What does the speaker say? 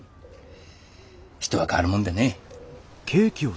人は変わるもんだねぇ。